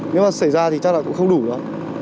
nếu mà xảy ra thì chắc là cũng không đủ nữa